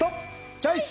チョイス！